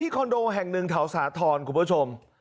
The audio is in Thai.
ที่คอนโดแห่งหนึ่งเท่าสะทอนคุณผู้ชม